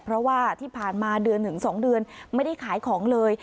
เพราะว่าที่ผ่านมาเดือนถึง๒เดือนไม่ได้ขายของเลย